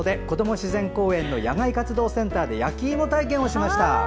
自然公園の野外活動センターで焼き芋体験をしました。